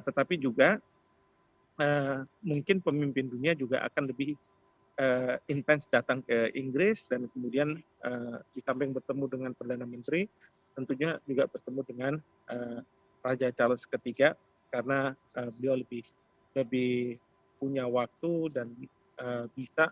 tetapi juga mungkin pemimpin dunia juga akan lebih intens datang ke inggris dan kemudian di samping bertemu dengan perdana menteri tentunya juga bertemu dengan raja charles iii karena beliau lebih punya waktu dan bisa